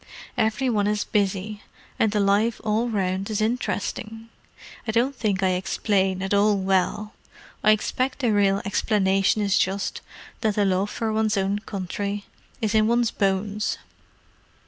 Every one is busy, and the life all round is interesting. I don't think I explain at all well; I expect the real explanation is just that the love for one's own country is in one's bones!"